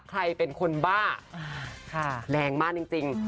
ใครเป็นคนบ้าแรงมากจริง